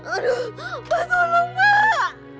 aduh pak tolong pak